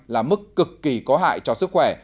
hai trăm linh là mức cực kỳ có hại cho sức khỏe